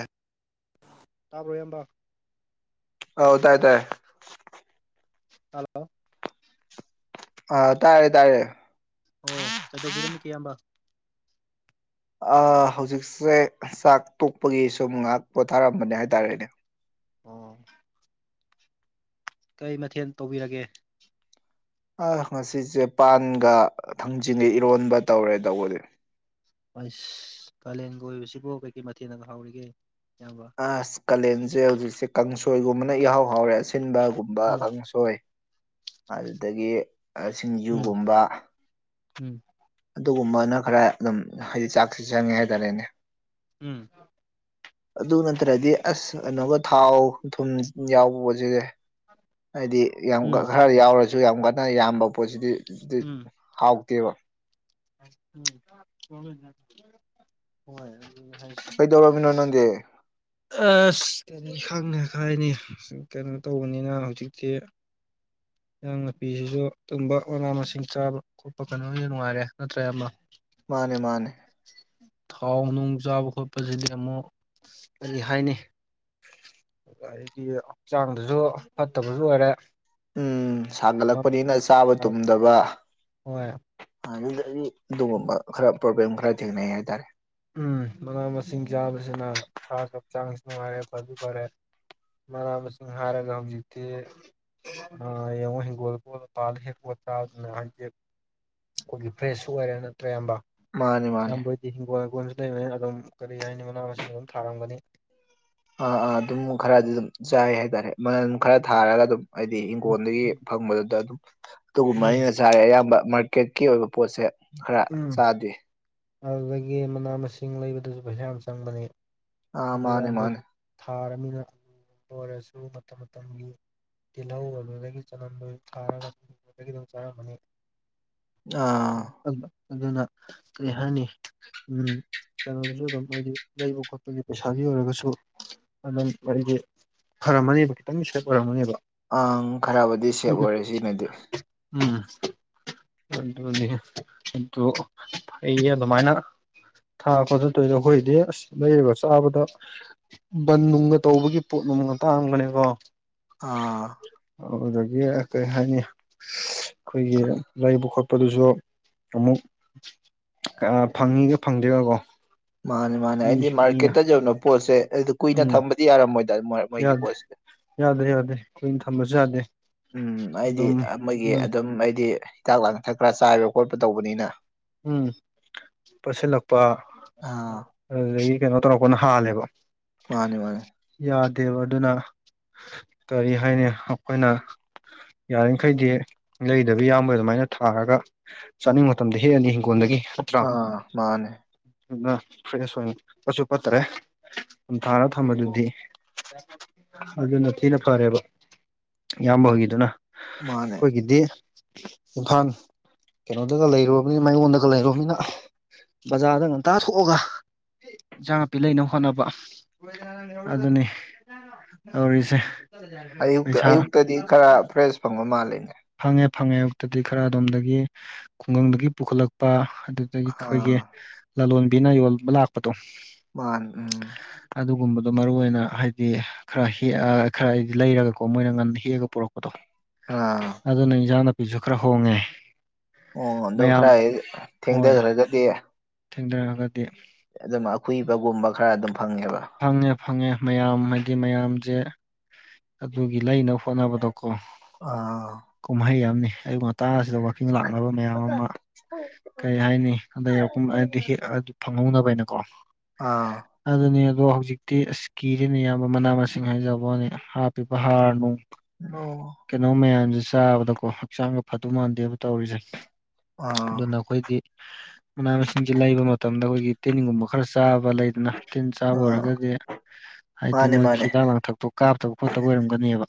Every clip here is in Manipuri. ꯑꯦ ꯇꯥꯕꯔꯣ ꯏꯌꯥꯝꯕ ꯑꯥꯎ ꯇꯥꯏ ꯇꯥꯏ ꯍꯜꯂꯣ ꯑꯥ ꯇꯥꯥꯔꯦ ꯇꯥꯔꯦ ꯑꯣ ꯀꯩꯗꯧꯕꯤꯔꯝꯃꯤ ꯀꯦ ꯏꯌꯥꯝꯕ ꯑꯥ ꯍꯧꯖꯤꯛꯁꯦ ꯆꯥꯛ ꯇꯣꯛꯄꯒꯤ ꯁꯨꯝ ꯉꯥꯏꯍꯥꯛ ꯄꯣꯊꯥꯔꯝꯕꯅꯦ ꯍꯥꯏꯇꯥꯔꯦꯅꯦ ꯎꯝ ꯀꯩ ꯃꯊꯦꯟ ꯇꯧꯕꯤꯔꯒꯦ ꯑ ꯉꯁꯤꯁꯦ ꯄꯥꯟꯒ ꯊꯥꯡꯖꯤꯟꯒ ꯏꯔꯣꯟꯕ ꯇꯧꯔꯦ ꯇꯧꯕꯗꯤ ꯑꯁ ꯀꯥꯂꯦꯟꯒ ꯑꯣꯏꯕꯁꯤꯕꯨ ꯀꯩꯀꯩ ꯃꯊꯦꯜꯅꯒ ꯍꯥꯎꯔꯤꯒꯦ ꯏꯌꯥꯝꯕ ꯑꯁ ꯀꯥꯂꯦꯟꯁꯦ ꯍꯧꯖꯤꯛꯁꯦ ꯀꯥꯡꯁꯣꯏꯒꯨꯝꯕꯅ ꯏꯍꯥꯎ ꯍꯥꯎꯔꯦ ꯑꯁꯤꯟꯕ ꯒꯨꯝ ꯕ ꯎꯝ ꯀꯥꯡꯁꯣꯏ ꯑꯗꯨꯗꯒꯤ ꯑ ꯎꯝ ꯁꯤꯡꯖꯨꯒꯨꯝꯕ ꯎꯝ ꯑꯗꯨꯒꯨꯝꯕꯅ ꯈꯔ ꯑꯗꯨꯝ ꯍꯥꯏꯗꯤ ꯆꯥꯛꯁꯦ ꯆꯪꯉꯦ ꯍꯥꯏꯇꯥꯔꯦꯅꯦ ꯎꯝ [inaudible] ꯑꯗꯨ ꯅꯠꯇ꯭ꯔꯗꯤ ꯑꯁ ꯀꯩꯅꯣꯒ ꯊꯥꯎ ꯊꯨꯝ ꯌꯥꯎꯕꯣꯠꯁꯤꯗꯤ ꯍꯥꯏꯗꯤ ꯌꯥꯝ ꯎꯝ ꯈꯔ ꯌꯥꯎꯔꯁꯨ ꯌꯥꯝ ꯀꯟꯅ ꯌꯥꯝꯕ ꯄꯣꯠꯁꯤꯗꯤ ꯍꯥꯎꯇꯦꯕ ꯎꯝ [unintelligible] ꯍꯣꯏ [unintelligible] ꯀꯩꯗꯧꯔꯝꯃꯤꯅꯣ ꯅꯪꯗꯤ ꯑꯁ ꯀꯔꯤ ꯈꯪꯅ ꯈꯥꯏꯅꯤ ꯀꯩꯅꯣ ꯇꯧꯕꯅꯤꯅ ꯍꯧꯖꯤꯛꯇꯤ ꯏꯖꯥꯡ ꯅꯨꯄꯤꯁꯤꯁꯨ ꯇꯨꯝꯕ ꯃꯅꯥ ꯃꯁꯤꯡ ꯆꯥꯕ ꯈꯣꯠꯄ ꯀꯩꯅꯣꯒꯤꯅ ꯅꯨꯡꯉꯥꯏꯔꯦ ꯅꯠꯇ꯭ꯔꯦ ꯑꯌꯥꯝꯕ ꯃꯥꯅꯦ ꯃꯥꯅꯦ ꯊꯥꯎ ꯅꯨꯡ ꯆꯥꯕ ꯈꯣꯠꯄꯁꯤꯗꯤ ꯑꯃꯨꯛ ꯀꯔꯤ ꯍꯥꯏꯅꯤ ꯑꯩꯗꯤ ꯍꯛꯆꯥꯡꯗꯁꯨ ꯐꯠꯇꯕꯁꯨ ꯑꯣꯏꯔꯦ ꯎꯝ ꯑꯗꯨꯃꯥꯏꯅ ꯁꯥꯒꯠꯂꯛꯄꯅꯤꯅ ꯆꯥꯕ ꯇꯨꯝꯗꯕ ꯍꯣꯏ ꯑꯗꯨꯗꯒꯤ ꯑꯗꯨꯒꯨꯝꯕ ꯈꯔ ꯄ꯭ꯔꯣꯕ꯭ꯂꯦꯝ ꯈꯔ ꯊꯦꯡꯅꯩ ꯍꯥꯏꯇꯥꯔꯦ ꯎꯝ ꯃꯅꯥ ꯃꯁꯤꯡ ꯆꯥꯕꯁꯤꯅ ꯁꯥꯁꯨ ꯍꯛꯆꯥꯡꯁꯨ ꯅꯨꯡꯉꯥꯏꯔꯦ ꯐꯁꯨ ꯐꯔꯦ ꯃꯅꯥ ꯃꯁꯤꯡ ꯍꯥꯏꯔꯒ ꯍꯧꯖꯤꯛꯇꯤ ꯑ ꯌꯦꯡꯉꯨ ꯍꯤꯡꯒꯣꯜ ꯄꯣꯠ ꯄꯥꯜꯂ ꯍꯦꯠꯄ ꯆꯥꯕꯁꯨ ꯅꯨꯡꯉꯥꯏꯇꯦ ꯑꯩꯈꯣꯏꯒꯤ ꯐ꯭ꯔꯦꯁꯁꯨ ꯑꯣꯏꯔꯦ ꯅꯠꯇ꯭ꯔ ꯏꯌꯥꯝꯕ ꯃꯥꯅꯦ ꯃꯥꯅꯦ ꯏꯌꯥꯝꯕꯣꯏꯗꯤ ꯍꯤꯡꯒꯣꯜ ꯍꯪꯒꯣꯜꯁꯨ ꯂꯩꯕꯅꯤ ꯑꯗꯨꯝ ꯀꯔꯤ ꯍꯥꯏꯅꯤ ꯃꯅꯥ ꯃꯁꯤꯡ ꯑꯗꯨꯝ ꯊꯥꯔꯝꯒꯅꯤ ꯑꯥ ꯑꯥ ꯑꯗꯨꯝ ꯈꯔꯗꯤ ꯑꯗꯨꯝ ꯆꯥꯏ ꯍꯥꯏꯇꯥꯔꯦ ꯃꯅꯜ ꯈꯔ ꯊꯥꯔꯒ ꯑꯗꯨꯝ ꯍꯥꯏꯗꯤ ꯎꯝ ꯏꯪꯒꯣꯟꯜꯗꯒꯤ ꯐꯪꯕꯗꯨꯗ ꯑꯗꯨꯝ ꯑꯗꯨꯒꯨꯝꯕ ꯎꯝ ꯑꯩꯅ ꯆꯥꯔꯦ ꯑꯌꯥꯝꯕ ꯃꯥꯔꯀꯦꯠꯀꯤ ꯑꯣꯏꯕ ꯄꯣꯠꯁꯦ ꯈꯔ ꯎꯝ ꯆꯥꯗꯦ ꯑꯗꯨꯗꯒꯤ ꯃꯅꯥ ꯃꯁꯤꯡ ꯂꯩꯕꯗꯁꯨ ꯄꯩꯁꯥ ꯌꯥꯝ ꯆꯪꯕꯅꯤ ꯑꯥ ꯑꯗꯨ ꯃꯥꯅꯦ ꯏꯌꯥꯝꯕ ꯃꯥꯅꯦ ꯍꯣꯏꯗꯤ ꯊꯥꯔꯝꯅꯤꯅ ꯂꯣꯏꯔꯁꯨ ꯃꯇꯝ ꯃꯇꯝꯒꯤ ꯇꯤꯜꯍꯧ ꯑꯗꯨꯗꯒꯤ ꯆꯅꯝꯗ ꯑꯣꯏꯁꯨ ꯊꯥꯔꯒ ꯑꯗꯨꯗꯒꯤ ꯑꯗꯨꯝ ꯆꯥꯔꯝꯃꯅꯤ ꯑꯥ [unintelligible] ꯑꯗꯨꯅ ꯀꯔꯤ ꯍꯥꯏꯅꯤ ꯎꯝ ꯀꯩꯅꯣꯗꯁꯨ ꯑꯗꯨꯝ ꯍꯥꯏꯗꯤ ꯂꯩꯕ ꯈꯣꯠꯄꯒꯤ ꯄꯩꯁꯥꯒꯤ ꯑꯣꯏꯔꯒꯁꯨ ꯑꯗꯨꯝ ꯍꯥꯏꯗꯤ ꯐꯔꯝꯃꯅꯤꯕ ꯈꯤꯇꯪꯗꯤ ꯁꯦꯚ ꯑꯣꯏꯔꯝꯒꯅꯤꯕ ꯑꯪ ꯈꯔꯕꯨꯗꯤ ꯁꯦꯞ ꯑꯣꯏꯔꯦ ꯁꯤꯃꯗꯤ ꯎꯝ ꯑꯗꯨꯅꯤ ꯑꯗꯨ ꯐꯩꯌꯦ ꯑꯗꯨꯃꯥꯏꯅ ꯊꯥꯄꯗ ꯇꯧꯏꯗꯣ ꯈꯣꯏꯗꯤ ꯑꯁ ꯂꯩꯔꯒ ꯆꯥꯕꯗ ꯕꯟ ꯅꯨꯡꯒ ꯇꯧꯕꯒꯤ ꯄꯣꯠ ꯅꯨꯡꯒ ꯇꯥꯡꯕꯅꯦꯀꯣ ꯑꯥ ꯑꯗꯨꯗꯒꯤ ꯀꯔꯤ ꯍꯥꯏꯅꯤ ꯑꯩꯈꯣꯏꯒꯤ ꯂꯩꯕ ꯈꯣꯠꯄꯗꯨꯁꯨ ꯑꯃꯨꯛ ꯑ ꯐꯪꯉꯤꯒ ꯐꯪꯗꯦꯒ ꯀꯣ ꯃꯥꯅꯦ ꯃꯥꯅꯦ ꯑꯩꯗꯤ ꯃꯥꯔꯀꯦꯠꯇ ꯌꯣꯟꯕ ꯄꯣꯠꯁꯦ ꯑꯩ ꯀꯨꯏꯅ ꯎꯝ ꯊꯝꯕꯗꯤ ꯌꯥꯔꯝꯃꯣꯏꯗ ꯃꯣꯏ ꯌꯥꯗꯦ ꯌꯥꯗꯦ ꯌꯥꯗꯦ ꯀꯨꯏꯅ ꯊꯝꯕꯁꯨ ꯌꯥꯗꯦ ꯎꯝ ꯍꯥꯏꯗꯤ ꯑꯗꯨꯝ ꯑ ꯃꯣꯏꯒꯤ ꯎꯝ ꯑꯗꯨꯝ ꯍꯥꯏꯗꯤ ꯍꯤꯗꯥꯛ ꯂꯥꯡꯊꯛ ꯈ꯭ꯔ ꯆꯥꯏꯕ ꯈꯣꯠꯄ ꯇꯧꯕꯅꯤꯅ ꯎꯝ ꯄꯠꯁꯜꯂꯛꯄ ꯑꯥ ꯑꯗꯨꯗꯒꯤ ꯀꯩꯅꯣ ꯇꯧꯔꯛꯄꯅ ꯍꯥꯜꯂꯦꯕ ꯃꯥꯅꯦ ꯃꯥꯅꯦ ꯌꯥꯗꯦꯕ ꯑꯗꯨꯅ ꯀꯔꯤ ꯍꯥꯏꯅꯤ ꯑꯈꯣꯏꯅ ꯌꯥꯔꯤꯈꯩꯗꯤ ꯂꯩꯗꯕꯤ ꯏꯌꯥꯝꯕ ꯑꯗꯨꯃꯥꯏꯅ ꯊꯥꯔꯒꯆ ꯆꯥꯅꯤꯡꯕ ꯃꯇꯝꯗ ꯍꯦꯛꯑꯅꯤ ꯍꯤꯡꯒꯣꯜꯗꯒꯤ ꯅꯠꯇ꯭ꯔꯥ ꯑ ꯃꯥꯅꯦ ꯑꯗꯨꯅ ꯐ꯭ꯔꯦꯁ ꯑꯣꯏꯅ ꯄꯠꯁꯨ ꯄꯠꯇꯥꯔꯦ ꯗꯨꯝ ꯊꯥꯔ ꯊꯝꯕꯗꯨꯗꯤ ꯑꯗꯨꯅ ꯊꯤꯅ ꯐꯔꯦꯕ ꯏꯌꯥꯝꯕ ꯍꯣꯏꯒꯤꯗꯨꯅ ꯃꯥꯅꯦ ꯈꯣꯏꯒꯤꯗꯤ ꯏꯝꯐꯥꯜ ꯀꯩꯅꯣꯗꯒ ꯂꯩꯔꯨ ꯃꯌꯣꯟꯗꯒ ꯂꯩꯔꯨꯕꯅꯤꯅ ꯕꯖꯥꯔꯗ ꯉꯟꯇꯥ ꯊꯣꯛꯑꯒ ꯏꯟꯁꯥꯡ ꯅꯥꯄꯤ ꯂꯩꯅꯕ ꯍꯣꯠꯅꯕ ꯑꯗꯨꯅꯤ ꯇꯧꯔꯤꯁꯦ ꯑꯌꯨꯛꯇ ꯄꯩꯁꯥ ꯑꯌꯨꯛꯇꯗꯤ ꯈꯔ ꯐ꯭ꯔꯦꯁ ꯐꯪꯕ ꯃꯥꯜꯂꯦꯅꯦ ꯐꯪꯉꯦ ꯐꯪꯉꯦ ꯑꯌꯨꯛꯇꯗꯤ ꯈꯔ ꯑꯗꯣꯝꯗꯒꯤ ꯈꯨꯡꯒꯪꯗꯒꯤ ꯄꯨꯈꯠꯂꯛꯄ ꯑꯗꯨ ꯑꯗꯒꯤ ꯑꯩꯈꯣꯏꯒꯤ ꯑꯥ ꯂꯂꯣꯟꯕꯤꯅ ꯌꯣꯟꯕ ꯂꯥꯛꯄꯗꯣ ꯃꯥꯟ ꯎꯝ ꯑꯗꯨꯒꯨꯝꯕꯗꯣ ꯃꯔꯨꯑꯣꯏꯅ ꯍꯥꯏꯗꯤ ꯈꯔ ꯍꯦꯛꯑ ꯈꯔꯗꯤ ꯂꯩꯔꯒꯀꯣ ꯃꯣꯏꯅ ꯉꯟꯅ ꯍꯦꯛꯑꯒ ꯄꯨꯔꯛꯄꯗꯣ ꯑꯥ ꯑꯗꯨꯅ ꯏꯟꯖꯥꯡ ꯅꯥꯄꯤꯁꯨ ꯈꯔ ꯍꯣꯡꯉꯦ ꯑꯣ ꯑꯗꯣ ꯃꯌꯥꯝ ꯈꯔꯍꯦꯛ ꯊꯦꯡꯗꯈ꯭ꯔꯒꯗꯤ ꯊꯦꯡꯗꯈ꯭ꯔꯒꯗꯤ ꯑꯗꯨꯅ ꯑꯈꯨꯏꯕꯒꯨꯝꯕ ꯈꯔ ꯑꯗꯨꯝ ꯐꯪꯉꯦꯕ ꯐꯪꯉꯦ ꯐꯪꯉꯦ ꯃꯌꯥꯝ ꯍꯥꯏꯗꯤ ꯃꯌꯥꯝꯖꯦ ꯑꯗꯨꯒꯤ ꯂꯩꯅꯕ ꯍꯣꯠꯅꯕꯗꯣ ꯀꯣ ꯑꯥ ꯀꯨꯝꯍꯩ ꯑꯃꯅꯤ ꯑꯌꯨꯛ ꯇꯥꯁꯤꯗ ꯋꯥꯀꯤꯡ ꯂꯥꯛꯅꯕ ꯃꯌꯥꯝ ꯑꯃ ꯀꯔꯤ ꯍꯥꯏꯅꯤ ꯑꯗꯩ ꯑꯄꯨꯝ ꯗ ꯍꯦꯛ ꯐꯪꯍꯧꯅꯕ ꯍꯥꯏꯅꯀꯣ ꯑꯥ ꯑꯗꯨꯅꯤ ꯑꯗꯣ ꯍꯧꯖꯤꯛꯇꯤ ꯑꯁ ꯀꯤꯔꯦꯅꯦ ꯏꯌꯥꯝꯕ ꯃꯅꯥ ꯃꯁꯤꯡ ꯍꯥꯏꯖꯕ ꯋꯥꯅꯦ ꯍꯥꯞꯄꯤꯕ ꯍꯥꯔ ꯅꯨꯡ ꯑꯣ ꯀꯩꯅꯣ ꯃꯌꯥꯝꯁꯦ ꯆꯥꯕꯗꯀꯣ ꯍꯛꯆꯥꯡꯒ ꯐꯗꯧ ꯃꯥꯟꯗꯦꯕ ꯇꯧꯔꯤꯁꯦ ꯑꯥ ꯑꯗꯨꯅ ꯈꯣꯏꯒꯤ ꯃꯅꯥ ꯃꯁꯤꯡꯁꯦ ꯂꯩꯕ ꯃꯇꯝꯗ ꯑꯩꯈꯣꯏꯒꯤ ꯇꯤꯜꯅꯤꯡꯒꯨꯝꯕ ꯈꯔ ꯆꯥꯕ ꯂꯩꯗꯅ ꯇꯤꯟ ꯆꯥꯕ ꯑꯥ ꯑꯣꯏꯔꯒꯗꯤ ꯍꯥꯏꯗꯤ ꯃꯥꯅꯦ ꯃꯣꯏꯒꯤ ꯃꯥꯅꯦ ꯍꯤꯗꯥꯛ ꯂꯥꯡꯊꯛꯇꯣ ꯀꯥꯞꯇꯕ ꯈꯣꯠꯇꯕ ꯑꯣꯏꯔꯝꯒꯅꯦꯕ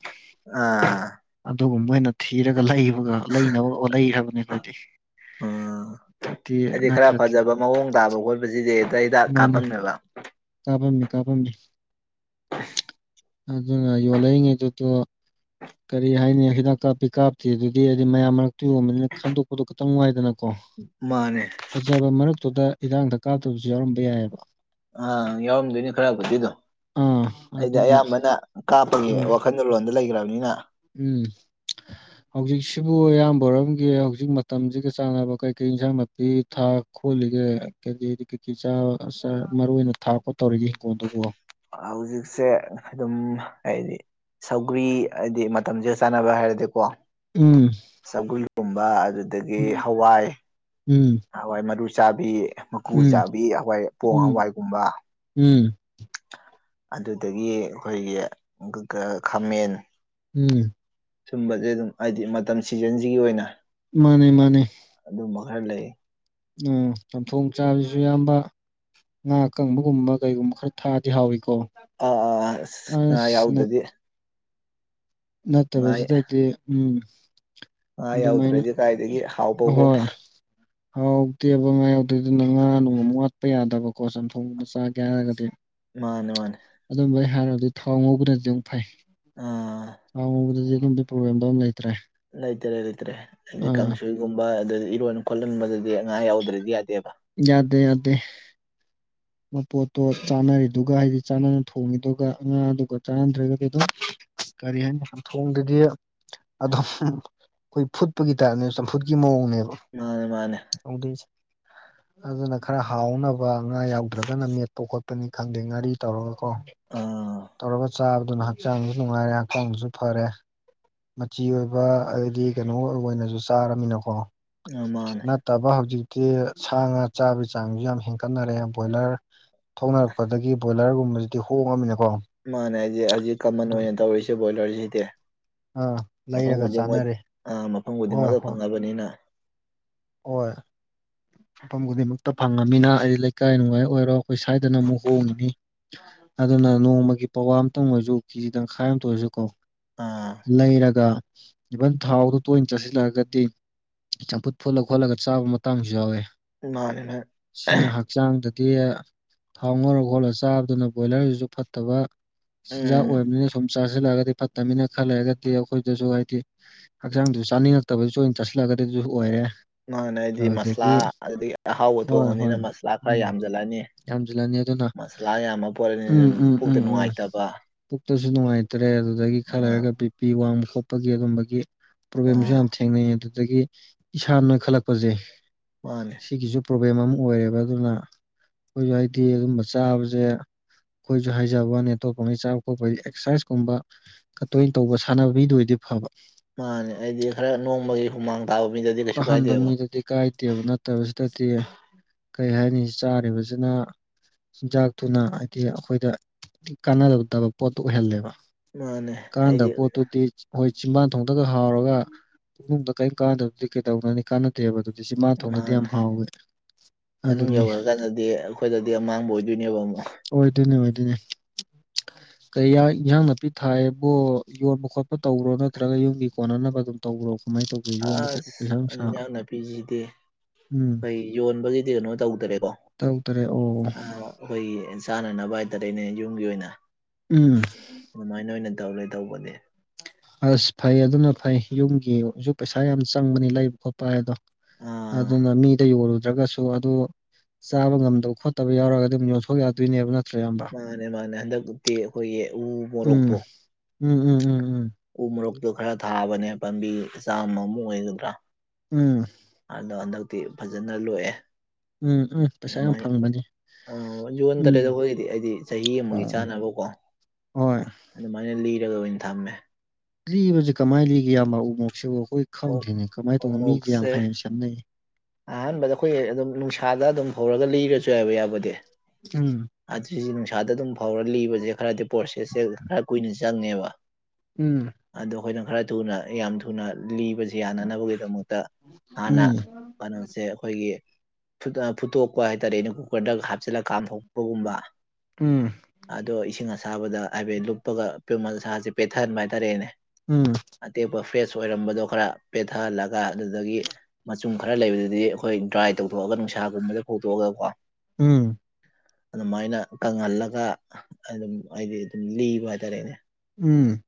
ꯑꯥ ꯑꯗꯨꯒꯨꯝꯕ ꯑꯣꯏꯅ ꯊꯤꯔꯒ ꯂꯩꯕꯒ ꯂꯩꯅꯕ ꯍꯣꯅꯩ ꯍꯥꯏꯕꯅꯤ ꯑꯩꯈꯣꯏꯗꯤ ꯎꯝ ꯅꯠꯇ꯭ꯔꯗꯤ ꯍꯥꯏꯗꯤ ꯈꯔ ꯅꯠꯇ꯭ꯔꯗꯤ ꯐꯖꯕ ꯃꯑꯣꯡ ꯇꯥꯕ ꯈꯣꯠꯄꯁꯤꯗꯤ ꯍꯦꯛꯇ ꯍꯤꯗꯥꯛ ꯀꯥꯞꯄꯝꯅꯦꯕ ꯀꯥꯄꯝꯃꯤ ꯀꯥꯄꯝꯃꯤ [unintelligible] ꯑꯗꯨꯅ ꯌꯣꯂꯛ ꯏꯉꯩꯗ ꯇꯣꯑꯣ ꯀꯔꯤ ꯍꯥꯏꯅꯤ ꯍꯤꯗꯥꯛ ꯀꯥꯞꯄꯤ ꯀꯥꯞꯇꯦ ꯑꯗꯨꯗꯤ ꯑꯗꯨꯗꯤ ꯃꯌꯥꯝ ꯃꯔꯛꯇꯤ ꯌꯣꯟꯕꯅꯤꯅ ꯈꯟꯗꯣꯛꯄꯗꯣ ꯈꯤꯇꯪ ꯋꯥꯏꯗꯅ ꯃꯥꯅꯦ ꯐꯖꯕ ꯃꯔꯛꯇꯨꯗ ꯏꯤꯔꯥꯡꯗ ꯀꯥꯞꯇꯕꯁꯨ ꯌꯥꯎꯔꯝꯕ ꯌꯥꯏꯑꯕ ꯑꯥ ꯌꯥꯎꯔꯝꯗꯣꯏꯅꯦ ꯈꯔꯕꯨꯗꯤꯗꯣ ꯑꯥ ꯑꯩꯗꯤ ꯑꯗꯨꯅ ꯑꯌꯥꯝꯕꯅ ꯀꯥꯞꯄꯒꯤ ꯍꯣꯏ ꯋꯥꯈꯜ ꯂꯣꯟꯗ ꯂꯩꯈ꯭ꯔꯕꯅꯤꯅ ꯎꯝ ꯍꯧꯖꯤꯛꯁꯤꯕꯨ ꯏꯌꯥꯝꯕꯔꯝꯒꯤ ꯍꯧꯖꯤꯛ ꯃꯇꯝꯁꯤꯒ ꯆꯥꯟꯅꯕ ꯀꯩꯀꯩ ꯏꯟꯁꯥꯡ ꯁꯤ ꯊꯥ ꯈꯣꯠꯂꯤꯒꯦ ꯀꯩꯗꯤ ꯀꯩꯀꯩ ꯆꯥ ꯃꯔꯨꯏ ꯑꯣꯏꯅ ꯊꯥꯛ ꯈꯣꯠ ꯇꯧꯔꯤꯒꯦ ꯍꯤꯡꯒꯣꯜꯗꯨꯕꯨꯣ ꯍꯧꯖꯤꯛꯁꯦ ꯑꯗꯨꯝ ꯍꯥꯏꯗꯤ ꯁꯧꯒ꯭ꯔꯤ ꯍꯥꯏꯗꯤ ꯃꯇꯝꯁꯤꯒ ꯆꯥꯟꯅꯕ ꯍꯥꯏꯔꯗꯤꯀꯣ ꯎꯝ ꯆꯒꯨꯜꯒꯨꯝꯕ ꯑꯗꯨꯗꯒꯤ ꯎꯝ ꯍꯋꯥꯏ ꯍꯋꯥꯏ ꯃꯔꯨ ꯆꯥꯕꯤ ꯃꯀꯨ ꯎꯝ ꯆꯥꯕꯤ ꯍꯋꯥꯏ ꯄꯣꯡ ꯎꯝ ꯍꯋꯥꯏꯒꯨꯝꯕ ꯎꯝ ꯑꯗꯨꯗꯒꯤ ꯑꯩꯈꯣꯏꯒꯤ ꯈꯥꯃꯦꯟ ꯎꯝ ꯁꯨꯝꯕꯁꯦ ꯑꯗꯨꯝ ꯍꯥꯏꯗꯤ ꯃꯇꯝ ꯁꯤꯖꯟꯁꯤꯒꯤ ꯑꯣꯏꯅ ꯃꯥꯅꯦ ꯃꯥꯅꯦ ꯑꯗꯨꯝꯕ ꯈꯔ ꯂꯩ ꯎꯝ ꯆꯝꯊꯣꯡ ꯆꯥꯕꯁꯤꯁꯨ ꯌꯥꯝꯌꯥꯝꯕ ꯉꯥ ꯀꯪꯕꯒꯨꯝꯕ ꯀꯩꯒꯨꯝꯕ ꯈꯔ ꯊꯥꯗꯤ ꯍꯥꯎꯏꯀꯣ ꯑ ꯑꯥ ꯌꯥꯎꯗꯗꯤ ꯉꯥ ꯅꯠꯇꯕꯁꯤꯗꯗꯤ ꯎꯝ ꯉꯥ ꯑꯗꯨꯃꯥꯏꯅ ꯌꯥꯎꯗ꯭ꯔꯗꯤ ꯀꯥꯏꯗꯒꯤ ꯍꯥꯎꯕ ꯄꯣꯠꯅꯣ ꯍꯣꯏ ꯍꯥꯎꯗꯦꯕ ꯉꯥ ꯌꯥꯎꯗꯦ ꯑꯗꯨꯅ ꯉꯥ ꯅꯅꯨꯡꯃ ꯋꯥꯠꯄ ꯌꯥꯗꯕꯀꯣ ꯆꯝꯊꯣꯡ ꯑꯃ ꯆꯥꯒꯦ ꯍꯥꯏꯔꯒꯗꯤ ꯃꯥꯅꯦ ꯃꯥꯅꯦ ꯑꯗꯨꯝꯕ ꯑꯩ ꯍꯥꯏꯔꯕꯗꯤ ꯊꯋꯥ ꯉꯧꯕꯅ ꯑꯗꯨꯝ ꯐꯩ ꯑꯥ ꯑꯉꯕꯗꯗꯤ ꯑꯗꯨꯝꯗꯤ ꯄ꯭ꯔꯣꯕ꯭ꯂꯦꯝꯗꯣ ꯑꯗꯨꯝ ꯂꯩꯇ꯭ꯔꯦ ꯂꯩꯇꯔꯦ ꯂꯩꯇ꯭ꯔꯦ ꯍꯥꯏꯗꯤ ꯑꯥ ꯀꯥꯡꯁꯣꯏꯒꯨꯝꯕ ꯑꯗꯨ ꯏꯔꯣꯏ ꯈꯣꯠꯍꯟꯕꯗꯗꯤ ꯑꯉꯥ ꯌꯥꯎꯗ꯭ꯔꯗꯤ ꯌꯥꯗꯦꯕ ꯌꯥꯗꯦ ꯌꯥꯗꯦ ꯃꯄꯣꯠꯇꯣ ꯆꯥꯅꯔꯤꯗꯨꯒ ꯍꯥꯏꯗꯤ ꯆꯥꯅꯅ ꯊꯣꯡꯉꯤꯗꯨꯒ ꯑꯉꯥꯡꯗꯨꯒ ꯆꯥꯟꯅꯗ꯭ꯔꯒ ꯀ ꯑꯗꯨꯝ ꯀꯔꯤ ꯍꯥꯏꯅꯤ ꯊꯣꯡꯗꯗꯤ ꯑꯗꯨꯝ ꯑꯩꯈꯣꯏ ꯐꯨꯠꯄꯒꯤ ꯇꯥꯏꯞꯅꯦꯕ ꯆꯝꯐꯨꯠꯀꯤ ꯃꯑꯣꯡꯅꯦꯕ ꯃꯥꯅꯦ ꯃꯥꯅꯦ ꯍꯧꯗꯣꯏꯁꯦ ꯑꯗꯨꯅ ꯈꯔ ꯍꯥꯎꯅꯕ ꯉꯥ ꯌꯥꯎꯗ꯭ꯔꯒꯅ ꯃꯦꯠ ꯄꯨꯣꯛ ꯈꯣꯠꯄꯅꯤ ꯈꯪꯗꯦ ꯉꯥꯔꯤ ꯇꯧꯔꯒꯀꯣ ꯑꯥ ꯇꯧꯔꯒ ꯆꯥꯕꯗꯨꯅ ꯍꯛꯆꯥꯡꯁꯨ ꯅꯨꯡꯉꯥꯏꯔꯦ ꯍꯛꯆꯥꯡꯕꯁꯨ ꯐꯔꯦ ꯃꯆꯤ ꯑꯣꯏꯕ ꯑꯗꯩꯗꯤ ꯀꯩꯅꯣ ꯑꯣꯏꯅꯁꯨ ꯆꯥꯔꯃꯤꯅꯀꯣ ꯃꯥꯅꯦ ꯅꯠꯇꯕ ꯍꯧꯖꯤꯛꯇꯤ ꯁꯥ ꯉꯥ ꯆꯥꯕꯒꯤ ꯆꯥꯡꯁꯨ ꯌꯥꯝ ꯍꯦꯟꯀꯠꯅꯔꯦ ꯕꯣꯏꯂꯔ ꯊꯧꯅꯔꯛꯄꯗꯒꯤ ꯕꯣꯏꯂꯔꯒꯨꯝꯕꯁꯤꯗꯤ ꯍꯣꯡꯉꯝꯃꯤꯅꯤꯀꯣ ꯃꯥꯅꯦ ꯍꯥꯏꯗꯤ ꯍꯧꯖꯤꯛ ꯀꯃꯟ ꯑꯣꯏꯅ ꯇꯧꯔꯤꯁꯦ ꯕꯣꯏꯂꯔꯁꯤꯗꯤ ꯑꯥ ꯃꯐꯝ ꯂꯩꯔꯒ ꯈꯨꯗꯤꯡꯃꯛ ꯆꯥꯅꯔꯦ ꯑꯥ ꯃꯐꯝ ꯍꯣꯏ ꯈꯨꯗꯤꯡꯃꯛꯇ ꯍꯣꯏ ꯐꯪꯉꯅꯕꯅꯤꯅ ꯍꯣꯏ ꯃꯐꯝ ꯈꯨꯗꯤꯡꯃꯛꯇ ꯐꯪꯉꯃꯤꯅ ꯑꯩ ꯂꯩꯀꯥꯏ ꯅꯨꯡꯉꯥꯏ ꯑꯣꯏꯔꯣ ꯑꯩꯈꯣꯏ ꯁ꯭ꯋꯥꯏꯗꯅ ꯑꯃꯨꯛ ꯍꯣꯡꯉꯤꯅꯤ ꯑꯗꯨꯅ ꯅꯣꯡꯃꯒꯤ ꯄꯋꯥ ꯑꯃꯇꯪ ꯑꯣꯏꯔꯁꯨ ꯀꯦꯖꯤ ꯇꯪꯈꯥꯏ ꯑꯃꯇ ꯑꯣꯏꯔꯁꯨ ꯀꯣ ꯑꯥ ꯂꯩꯔꯒ ꯏꯚꯟ ꯊꯥꯎꯗꯨ ꯇꯣꯏꯅ ꯆꯥꯁꯤꯜꯂꯛꯔꯒꯗꯤ ꯆꯝꯐꯨꯠ ꯐꯨꯠꯂ ꯈꯣꯠꯂꯒ ꯆꯥꯕ ꯃꯇꯥꯡꯁꯨ ꯌꯥꯎꯋꯦ ꯥꯟꯦꯅꯦ ꯁꯤꯅ ꯍꯛꯆꯥꯡꯗꯗꯤ ꯊꯥꯎ ꯉꯔ ꯈꯣꯠꯂꯒ ꯆꯥꯕꯗꯨꯅ ꯕꯣꯏꯂꯔꯁꯤꯁꯨ ꯐꯠꯇꯕ ꯆꯤꯟꯖꯥꯛ ꯎꯝ ꯑꯣꯏꯔꯕꯅꯤꯅ ꯁꯨꯝ ꯆꯥꯁꯤꯜꯂꯛꯑꯒꯗꯤ ꯐꯠꯇꯕꯅꯤꯅ ꯈꯜ ꯂꯩꯔꯒꯗꯤ ꯑꯩꯈꯣꯏꯗꯁꯨ ꯍꯥꯏꯗꯤ ꯍꯛꯆꯥꯡꯗꯨꯁꯨ ꯆꯥꯅꯤꯡꯉꯛꯇꯕꯗꯨꯁꯨꯣꯏ ꯑꯣꯏꯅ ꯆꯠꯁꯤꯜꯂꯒꯗꯤꯗꯨꯁꯨ ꯑꯣꯏꯔꯦ ꯃꯥꯅ ꯑꯩꯗꯤ ꯃꯁꯂꯥ ꯑꯗꯨꯗꯒꯤ ꯑꯗꯨꯗꯒꯤ ꯑꯍꯥꯎꯕ ꯍꯣꯏ ꯍꯣꯏ ꯊꯣꯡꯉꯕꯅꯤꯅ ꯃꯁꯂꯥ ꯈꯔ ꯎꯝ ꯌꯥꯝꯖꯜꯂꯅꯤ ꯌꯥꯝꯁꯤꯜꯂꯅꯤ ꯑꯗꯨꯅ ꯃꯁꯂꯥ ꯌꯥꯝꯃ ꯎꯝ ꯄꯣꯠꯅꯤꯅ ꯎꯝ ꯄꯨꯛꯇ ꯎꯝ ꯎꯝ ꯅꯨꯡꯉꯥꯏꯇꯕ ꯄꯨꯛꯇꯁꯨ ꯅꯨꯡꯉꯥꯏꯇ꯭ꯔꯦ ꯑꯗꯨꯗꯒꯤ ꯑꯥ ꯈꯜꯂꯔꯒ ꯄꯤ ꯐꯤ ꯋꯥꯡꯕ ꯈꯣꯠꯄꯒꯤ ꯑꯗꯨꯝꯕꯒꯤ ꯄ꯭ꯔꯣꯕ꯭ꯂꯦꯝꯁꯨ ꯑꯥ ꯌꯥꯝ ꯊꯦꯡꯅꯩ ꯑꯗꯨꯗꯒꯤ ꯏꯁꯥ ꯅꯣꯏꯈꯠꯂꯛꯄꯁꯦ ꯃꯥꯅꯦ ꯁꯤꯒꯤꯁꯨ ꯄ꯭ꯔꯣꯕ꯭ꯂꯦꯝ ꯑꯃ ꯑꯣꯏꯔꯦꯕ ꯑꯗꯨꯅ ꯑꯩꯈꯣꯏꯁꯨ ꯍꯥꯏꯗꯤ ꯑꯗꯨꯝꯕ ꯆꯥꯕꯁꯦ ꯑꯩꯈꯣꯏꯁꯨ ꯍꯥꯏꯖꯕꯅꯤ ꯑꯇꯣꯞꯄꯉꯩ ꯆꯥꯕ ꯈꯣꯠꯄ ꯑꯦꯛꯁꯔꯁꯥꯏꯁꯀꯨꯝꯕ ꯀꯠꯇꯣꯏꯅ ꯇꯧꯕ ꯁꯥꯟꯅꯕꯕꯤꯗꯨ ꯑꯣꯏꯗꯤ ꯐꯕ ꯃꯥꯅꯦ ꯑꯩꯗꯤ ꯈꯔ ꯅꯣꯡꯃꯒꯤ ꯍꯨꯃꯥꯡ ꯇꯕꯨꯗꯤ ꯇꯥꯍꯟꯕ ꯃꯤꯗꯗꯤ ꯀꯥꯏꯗꯦꯕ ꯅꯠꯇꯕꯁꯤꯗꯗꯤ ꯀꯔꯤ ꯍꯥꯏꯅꯤ ꯆꯥꯔꯤꯕꯁꯤꯅ ꯆꯤꯟꯖꯥꯛꯇꯨꯅ ꯍꯥꯏꯗꯤ ꯑꯩꯈꯣꯏꯗ ꯀꯥꯟꯅꯗꯗꯕ ꯄꯣꯠꯇꯨ ꯑꯣꯏꯍꯜꯂꯦꯕ ꯃꯥꯅꯦ ꯀꯥꯟ ꯑꯩꯗꯤ ꯗꯄꯣ ꯇ ꯇ ꯍꯣꯏ ꯆꯤꯝꯕꯥꯟ ꯊꯣꯡꯗꯒ ꯍꯥꯎꯔꯒ ꯄꯨꯨꯡꯗ ꯀꯔꯤꯝ ꯀꯥꯟꯅꯗꯕꯗꯤ ꯀꯩꯗꯧꯅꯅꯤ ꯀꯥꯟꯅ ꯅꯠꯇꯦꯕ ꯑꯗꯨꯗꯤ ꯁꯤ ꯃꯥ ꯊꯣꯡꯅꯗꯤ ꯃꯥꯅꯦ ꯌꯥꯝ ꯍꯥꯎꯋꯦ ꯃꯅꯨꯡ ꯌꯧꯈ꯭ꯔꯀꯥꯟꯗꯗꯤ ꯑꯩꯈꯣꯏꯗꯗꯤ ꯑꯃꯥꯡꯕ ꯑꯣꯏꯗꯣꯏꯅꯦꯕ ꯑꯃꯨꯛ ꯑꯣꯏꯗꯣꯏꯅꯦ ꯑꯣꯏꯗꯣꯏꯅꯦ ꯀꯌꯥ ꯏꯟꯖꯥꯡ ꯅꯥꯄꯤ ꯊꯥꯏꯑꯕꯨ ꯌꯣꯟꯕ ꯈꯣꯠꯄ ꯇꯧꯕ꯭ꯔꯣ ꯅꯠꯇ꯭ꯔꯒ ꯌꯨꯝꯒꯤ ꯀꯣꯟꯅꯅꯕ ꯑꯗꯨꯝ ꯇꯧꯕ꯭ꯔꯣ ꯀꯃꯥꯏꯅ ꯇꯧꯕ ꯑꯁ ꯑꯟꯖꯥꯛꯅ ꯄꯤꯁꯤꯗꯦ ꯎꯝ ꯑꯩꯣꯏ ꯌꯣꯟꯕꯒꯤꯗꯤ ꯀꯩꯅꯣ ꯇꯧꯗ꯭ꯔꯦꯀꯣ ꯇꯔꯨꯛ ꯇꯔꯦꯠ ꯑꯣ ꯑ ꯑꯩꯈꯣꯏꯒꯤ ꯆꯥꯅꯅꯕ ꯍꯥꯏꯇꯥꯔꯦꯅꯦ ꯌꯨꯝꯒꯤ ꯑꯣꯏꯅ ꯎꯝ ꯑꯗꯨꯃꯥꯏꯅ ꯑꯣꯏꯅ ꯇꯧꯔꯦ ꯇꯧꯕꯅꯦ ꯑꯁ ꯐꯩ ꯑꯗꯨꯅ ꯐꯩ ꯌꯨꯝꯒꯤꯁꯨ ꯄꯩꯁꯥ ꯌꯥꯝ ꯆꯪꯕꯅꯤ ꯂꯩꯕ ꯈꯣꯠꯄ ꯍꯥꯏ ꯑꯗꯣ ꯑꯥ ꯑꯗꯨꯅ ꯃꯤꯗ ꯌꯣꯜꯂꯨꯗ꯭ꯔꯒꯁꯨ ꯑꯗꯨ ꯆꯥꯕ ꯉꯝꯗꯕ ꯈꯣꯠꯇꯕ ꯌꯥꯎꯔꯒ ꯑꯗꯨꯝ ꯌꯣꯟꯊꯣꯛ ꯌꯥꯗꯣꯏꯅꯦꯕ ꯅ ꯃꯥꯅꯦ ꯃꯥꯅꯦ ꯍꯟꯗꯛꯇꯤ ꯑꯩꯈꯣꯏꯒꯤ ꯎ ꯎꯝ ꯃꯣꯔꯣꯛꯇꯣ ꯎꯝ ꯎꯝ ꯎꯝ ꯎꯝ ꯎ ꯃꯔꯨꯞꯇꯨ ꯈꯔ ꯊꯥꯕꯅꯦ ꯄꯥꯝꯕꯤ ꯆꯥꯃꯃꯨꯛ ꯑꯣꯏꯒꯗ꯭ꯔꯥ ꯎꯝ ꯑꯗꯣ ꯍꯟꯗꯛꯇꯤ ꯐꯖꯅ ꯂꯣꯛꯑꯦ ꯎꯝ ꯎꯝ ꯄꯩꯁꯥ ꯌꯥꯝ ꯑꯗꯨꯃꯥꯏꯅ ꯐꯪꯕꯅꯤ ꯑ ꯖꯨꯟ ꯇꯔꯦꯠꯇ ꯎꯝ ꯍꯧꯖꯤꯛꯒꯤꯗꯤ ꯑꯩꯗꯤ ꯆꯍꯤ ꯑꯃꯒꯤ ꯆꯥꯅꯕꯀꯣ ꯍ ꯑꯗꯨꯃꯥꯏꯅ ꯂꯤꯔꯒ ꯑꯣꯏꯅ ꯊꯝꯃꯦ ꯂꯤꯕꯁꯤꯦ ꯀꯃꯥꯏꯅ ꯂꯤꯒꯦ ꯌꯥꯝꯕꯎ ꯃꯣꯛꯁꯤꯕꯨ ꯑꯩꯈꯣꯏ ꯑꯣꯛ ꯈꯪꯗ꯭ꯔꯤꯅꯦ ꯀꯃꯥꯏꯅ ꯎ ꯇꯧꯕꯅꯣ ꯃꯤꯒ ꯌꯥꯝ ꯃꯣꯔꯣꯛꯁꯦ ꯍꯌꯦꯡ ꯁꯅꯩꯌꯦ ꯑꯍꯥꯟꯕꯗ ꯑꯩꯈꯣꯏ ꯑꯗꯨꯝ ꯅꯨꯡꯁꯥꯗ ꯑꯗꯨꯝ ꯍꯧꯔꯒ ꯂꯤꯔꯁꯨ ꯍꯥꯏꯕ ꯌꯥꯕꯗꯤ ꯎꯝ ꯑꯗꯨꯁ ꯅꯨꯡꯁꯥꯗ ꯑꯗꯨꯝ ꯐꯥꯎꯔ ꯂꯤꯕꯁꯦ ꯈꯔꯗꯤ ꯄ꯭ꯔꯣꯁꯦꯁ ꯈꯔ ꯀꯨꯏꯅ ꯆꯪꯉꯦꯕ ꯎꯝ ꯑꯗꯣ ꯑꯩꯈꯣꯏꯅ ꯈꯔ ꯊꯨꯅ ꯌꯥꯝ ꯊꯨꯅ ꯂꯤꯕꯁꯤ ꯌꯥꯅꯅꯕꯒꯤꯗꯃꯛꯇ ꯍꯥꯟꯅ ꯎꯝ ꯀꯩꯅꯣꯁꯦ ꯑꯩꯈꯣꯏꯒꯤ ꯐꯠ ꯐꯨꯠꯇꯣꯛꯄ ꯍꯥꯏꯇꯥꯔꯦ ꯑꯩꯅ ꯀꯨꯀꯔꯗꯒ ꯍꯥꯞꯆꯤꯜꯂꯒ ꯀꯥꯝꯊꯣꯛꯄꯒꯨꯝꯕ ꯎꯝ ꯑꯗꯣ ꯏꯁꯤꯡ ꯑꯁꯥꯕꯗ ꯍꯥꯏꯐꯦꯠ ꯂꯨꯞꯄꯒ ꯄꯤꯃꯜ ꯃꯁꯁꯦ ꯄꯦꯊꯍꯟꯕ ꯍꯥꯏꯇꯥꯔꯦꯅꯦ ꯎꯝ ꯑꯇꯦꯛꯄ ꯐ꯭ꯔꯦꯁ ꯑꯣꯏꯔꯝꯕꯗꯣ ꯈꯔ ꯄꯦꯊꯍꯜꯂꯒ ꯑꯗꯨꯗꯒꯤ ꯃꯆꯨꯝ ꯈꯔ ꯂꯩꯕꯗꯨꯗꯤ ꯑꯩꯈꯣꯏ ꯗ꯭ꯔꯥꯏ ꯇꯧꯊꯣꯛꯑꯒ ꯅꯨꯡꯁꯥꯒꯨꯝꯕꯗ ꯐꯇꯣꯛꯑꯒ ꯀꯣ ꯎꯝ ꯑꯗꯨꯃꯥꯏꯅ ꯀꯪꯍꯜꯂꯒ ꯑꯗꯨꯝ ꯍꯥꯏꯗꯤ ꯑꯗꯨꯝ ꯂꯤꯕ ꯍꯥꯏꯇꯥꯔꯦꯅꯦ ꯎꯝ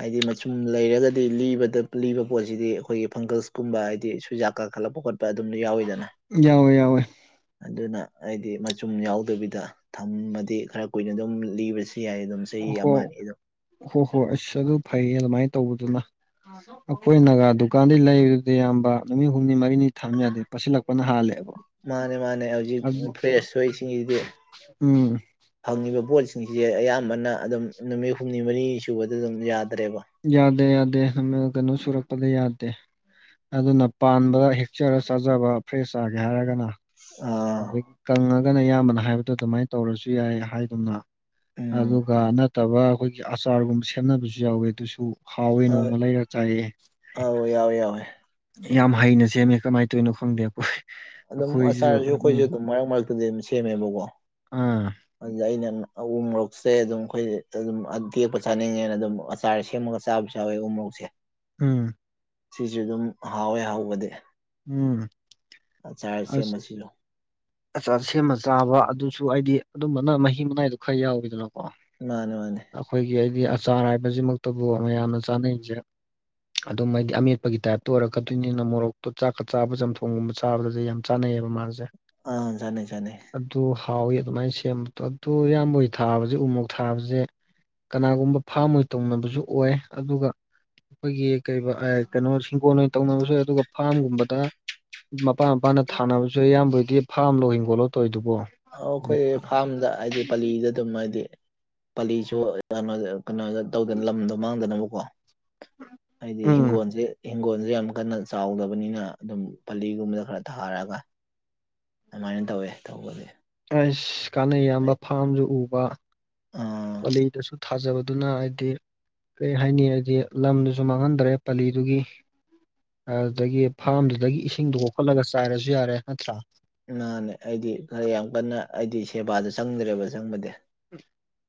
ꯍꯥꯏꯗꯤ ꯃꯆꯨꯝ ꯂꯩꯔꯒꯗꯤ ꯂꯤꯕꯗ ꯂꯤꯕ ꯄꯣꯠꯁꯤꯗꯤ ꯑꯩꯈꯣꯏꯒꯤ ꯐꯪꯒꯁꯀꯨꯝꯕ ꯍꯥꯏꯗꯤ ꯁꯨꯖꯥꯛ ꯀꯥꯈꯠꯂꯛꯄ ꯈꯣꯠꯄ ꯑꯗꯨꯝ ꯌꯥꯎꯋꯤꯗꯅ ꯌꯥꯎꯋꯦ ꯌꯥꯎꯋꯦ [unintelligible] ꯑꯗꯨꯅ ꯑꯩꯗꯤ ꯃꯆꯨꯝ ꯌꯥꯎꯗꯕꯤꯗ ꯊꯝꯃꯗꯤ ꯈꯔ ꯀꯨꯏꯅ ꯑꯗꯨꯝ ꯂꯤꯕꯁꯨ ꯌꯥꯏ ꯑꯗꯨꯝ ꯆꯍꯤ ꯍꯣ ꯑꯃ ꯑꯅꯤ ꯑꯗꯨꯝ ꯍꯣ ꯍꯣꯏ ꯑꯁ ꯑꯗꯨ ꯐꯩ ꯑꯗꯨꯃꯥꯏꯅ ꯇꯧꯕꯗꯨꯅ ꯑꯩꯈꯣꯏ ꯒꯥ ꯗꯨꯀꯥꯟꯗꯩ ꯂꯩꯕꯗꯨꯗꯤ ꯑꯌꯥꯝꯕ ꯅꯨꯃꯤꯠ ꯍꯨꯝꯅꯤ ꯃꯔꯤꯅꯤ ꯊꯝ ꯌꯥꯗꯦ ꯄꯠꯁꯤꯜꯂꯛꯄꯅ ꯍꯥꯜꯂꯦꯕ ꯃꯥꯅꯦ ꯃꯥꯅꯦ ꯍꯧꯖꯤꯛ ꯐ꯭ꯔꯦꯁꯁꯤꯡꯁꯤꯗꯤ ꯎꯝ ꯐꯪꯉꯤꯕ ꯄꯣꯠꯁꯤꯡꯁꯦ ꯑꯌꯥꯝꯕꯅ ꯑꯗꯨꯝ ꯅꯨꯃꯤꯠ ꯍꯨꯝꯅꯤ ꯃꯔꯤꯅꯤ ꯁꯨꯕꯗ ꯑꯗꯨꯝ ꯌꯥꯗ꯭ꯔꯦꯕ ꯌꯥꯗꯦ ꯌꯥꯗꯦ ꯀꯩꯅꯣ ꯁꯨꯔꯛꯄꯗ ꯌꯥꯗꯦ ꯑꯗꯨꯅ ꯄꯥꯟꯕꯗ ꯍꯦꯛꯆꯔ ꯆꯥꯖꯕ ꯐ꯭ꯔꯦꯁ ꯆꯥꯒꯦ ꯍꯥꯏꯔꯒꯅ ꯎ ꯑꯗꯒꯤ ꯀꯪꯉꯒꯅ ꯑꯌꯥꯝꯕꯅ ꯍꯥꯏꯕꯗꯣ ꯑꯗꯨꯃꯥꯏꯅ ꯇꯧꯔꯁꯨ ꯌꯥꯏ ꯍꯥꯏꯗꯨꯅ ꯎꯝ ꯑꯗꯨꯒ ꯅꯠꯇꯕ ꯑꯩꯈꯣꯏꯒꯤ ꯑꯆꯥꯔꯒꯨꯝꯕ ꯁꯦꯝꯅꯕꯁꯨ ꯌꯥꯎꯋꯦ ꯑꯗꯨꯁꯨ ꯍꯥꯎꯏ ꯑ ꯅꯣꯡꯃ ꯂꯩꯔ ꯆꯥꯏꯌꯦ ꯑꯧ ꯌꯥꯎꯋꯦ ꯌꯥꯎꯋꯦ ꯌꯥꯝ ꯍꯩꯅ ꯁꯦꯝꯃꯦ ꯀꯃꯥꯏꯅ ꯇꯧꯔꯤꯅꯣ ꯈꯪꯗꯦ ꯑꯩꯈꯣꯏ ꯑꯗꯨꯝ ꯑꯩꯈꯣꯏꯁꯤꯁꯨ ꯑꯆꯥꯔꯁꯨ ꯑꯩꯈꯣꯏꯁꯨ ꯎꯝ ꯑꯗꯨꯝ ꯃꯔꯛ ꯃꯔꯛꯇꯗꯤ ꯑꯗꯨꯝ ꯁꯦꯝꯃꯦꯕꯀꯣ ꯑꯥ ꯑꯗꯨꯗ ꯑꯩꯅ ꯑꯎ ꯃꯣꯔꯣꯛꯁꯦ ꯑꯗꯨꯝ ꯑꯩꯈꯣꯏ ꯑꯗꯨꯝ ꯇꯦꯛꯄ ꯆꯥꯅꯤꯡꯉꯦꯅ ꯑꯗꯨꯝ ꯆꯥꯔ ꯁꯦꯝꯃꯒ ꯆꯥꯕꯁꯨ ꯌꯥꯎꯋꯦ ꯎꯃꯣꯔꯣꯛꯁꯦ ꯎꯝ ꯁꯤꯁꯨ ꯑꯗꯨꯝ ꯍꯥꯎꯋꯦ ꯍꯧꯕꯗꯤ ꯎꯝ ꯑꯆꯥ ꯑꯁ ꯁꯦꯝꯃꯁꯤꯂꯣ ꯑꯆꯥ ꯁꯦꯝꯃ ꯆꯥꯕ ꯑꯗꯨꯁꯨ ꯑꯩꯗꯤ ꯑꯗꯨꯝꯕꯅ ꯃꯍꯤ ꯃꯅꯥꯏꯗꯣ ꯈꯔ ꯌꯥꯎꯋꯤꯗꯅꯀꯣ ꯃꯥꯅꯦ ꯃꯥꯅꯦ ꯑꯩꯈꯣꯏꯒꯤ ꯑꯩꯗꯤ ꯑꯆꯥꯔ ꯍꯥꯏꯕꯁꯤꯃꯛꯇꯕꯨ ꯃꯌꯥꯝꯅ ꯆꯥꯅꯩꯁꯦ ꯑꯗꯨꯝ ꯍꯥꯏꯗꯤ ꯑꯃꯦꯠꯄꯒꯤ ꯇꯥꯏꯞꯇ ꯑꯣꯏꯔꯛꯀꯗꯣꯏꯅꯤꯅ ꯃꯣꯔꯣꯛꯇꯣ ꯆꯥꯛꯀ ꯆꯥꯕ ꯆꯝꯊꯣꯡꯒꯨꯝꯕ ꯇꯥꯕꯗꯗꯤ ꯌꯥꯝ ꯆꯥꯅꯩꯑꯕ ꯃꯥꯁꯦ ꯑꯥꯖꯅꯤ ꯆꯅꯤ ꯑꯗꯨ ꯍꯥꯎꯋꯤ ꯑꯗꯨꯃꯥꯏꯅ ꯁꯦꯝꯕꯗꯣ ꯑꯗꯨ ꯏꯌꯥꯝꯕꯩ ꯊꯥꯕꯁꯦ ꯎꯃꯨꯣꯛ ꯊꯥꯕꯁꯦ ꯀꯅꯥꯒꯨꯝꯕ ꯐꯥꯝ ꯑꯣꯏꯅ ꯇꯧꯅꯕꯁꯨ ꯑꯣꯏ ꯑꯗꯨꯒ ꯑꯩꯈꯣꯏꯒꯤ ꯀꯩ ꯀꯩꯅꯣ ꯍꯤꯡꯒꯣꯟ ꯑꯣꯏꯅ ꯇꯧꯅꯕꯁꯨ ꯌꯥꯏ ꯑꯗꯨꯒ ꯐꯥꯝꯒꯨꯝꯕꯗ ꯃꯄꯥꯥꯟ ꯃꯄꯥꯅ ꯊꯥꯅꯕꯁꯨ ꯏꯌꯥꯝꯕꯗꯤ ꯐꯥꯝ ꯂꯣ ꯍꯤꯡꯒꯣꯠꯂꯣ ꯇꯧꯋꯤꯗꯨꯕꯣ ꯑꯩꯈꯣꯏ ꯐꯥꯔꯝꯗ ꯍꯥꯏꯗꯤ ꯄꯥꯂꯤꯗ ꯑꯗꯨꯝ ꯍꯥꯏꯗꯤ ꯄꯥꯂꯤꯁꯨ ꯀꯩꯅꯣ ꯀꯩꯅꯣꯗ ꯇꯧꯗꯅ ꯂꯝꯗꯣ ꯃꯥꯡꯗꯅꯕꯀꯣ ꯍꯥꯏꯗꯤ ꯎꯝ ꯍꯤꯡꯒꯣꯜꯁꯦ ꯍꯤꯡꯒꯣꯜꯁꯨ ꯌꯥꯝ ꯀꯟꯅ ꯆꯥꯎꯗꯕꯅꯤꯅ ꯑꯗꯨꯝ ꯄꯂꯤꯒꯨꯝꯕꯗ ꯈꯔ ꯊꯥꯔꯛꯑꯒ ꯑꯗꯨꯃꯥꯏꯅ ꯇꯧꯋꯦ ꯇꯧꯕꯁ ꯑꯁ ꯀꯥꯅꯩ ꯌꯥꯝꯕ ꯐꯥꯝꯁꯨ ꯎꯕ ꯑ ꯀꯂꯤꯗꯁꯨ ꯊꯥꯖꯕꯗꯨꯅ ꯍꯥꯏꯗꯤ ꯀꯔꯤ ꯍꯥꯏꯅꯤ ꯍꯥꯏꯗꯤ ꯂꯝꯗꯨꯁꯨ ꯃꯥꯡꯍꯟꯗ꯭ꯔꯦ ꯄꯜꯂꯤꯗꯨꯒꯤ ꯑꯗꯨꯗꯒꯤ ꯐꯥꯔꯝꯗꯨꯗꯒꯤ ꯏꯁꯤꯡꯗꯨꯣ ꯀꯣꯛꯈꯠꯂꯒ ꯆꯥꯏꯔꯁꯨ ꯌꯥꯔꯦ ꯅꯠꯇ꯭ꯔꯥ ꯃꯥꯅꯦ ꯑꯩꯗꯤ ꯈꯔ ꯌꯥꯝ ꯀꯟꯅ ꯑꯩꯗꯤ ꯁꯦꯕꯥꯗꯣ ꯆꯪꯗ꯭ꯔꯦꯕ ꯆꯪꯕꯗꯤ ꯎꯝ